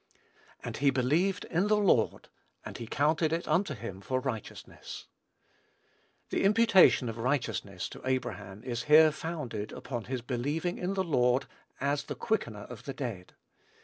"And he believed in the Lord, and he counted it unto him for righteousness." The imputation of righteousness to Abraham is here founded upon his believing in the Lord as the Quickener of the dead.